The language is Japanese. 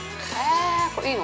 いいの？